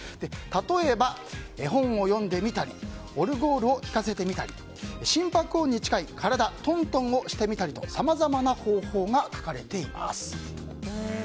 例えば、絵本を読んでみたりオルゴールを聴かせてみたり心拍音に近い体トントンをしてみたりとさまざまな方法が書かれています。